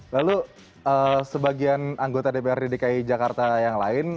lalu sebagian anggota dprd dki jakarta yang lain